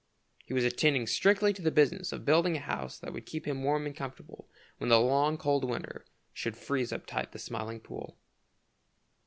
He was attending strictly to the business of building a house that would keep him warm and comfortable when the long cold winter should freeze up tight the Smiling Pool.